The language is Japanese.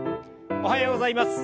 おはようございます。